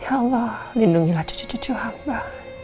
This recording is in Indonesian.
allah lindungilah cucu cucu hamba